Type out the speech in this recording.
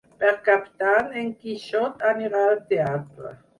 Per Cap d'Any en Quixot anirà al teatre.